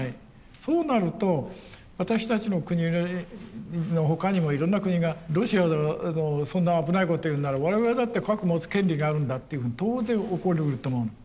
そうなると私たちの国の他にもいろんな国がロシアがそんな危ないこと言うなら我々だって核持つ権利があるんだっていうふうに当然起こりうると思う。